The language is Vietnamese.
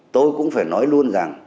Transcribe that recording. tôi cũng phải nói luôn rằng